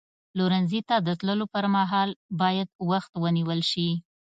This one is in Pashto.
پلورنځي ته د تللو پر مهال باید وخت ونیول شي.